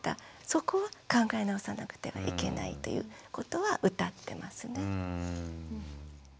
そこは考え直さなくてはいけないということはうたってますね。